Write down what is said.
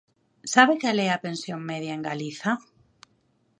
¿Sabe cal é a pensión media en Galiza?